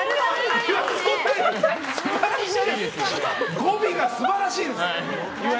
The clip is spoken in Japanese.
語尾が素晴らしいです。